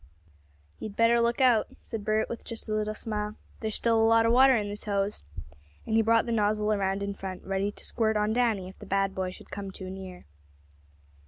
"You'd better look out," said Bert, with just a little smile. "There's still a lot of water in this hose," and he brought the nozzle around in front, ready to squirt on Danny if the bad boy should come too near.